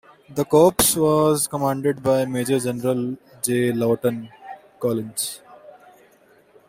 The Corps was commanded by Major General J. Lawton Collins.